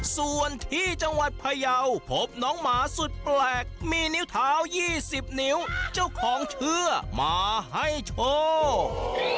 ส่วนที่จังหวัดพยาวพบน้องหมาสุดแปลกมีนิ้วเท้า๒๐นิ้วเจ้าของเชื่อมาให้โชค